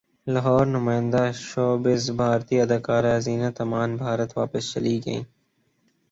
لاہورنمائندہ showbiz بھارتی اداکارہ زینت امان بھارت واپس چلی گئیں